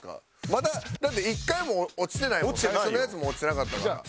まだだって１回も落ちてない最初のやつも落ちてなかったから。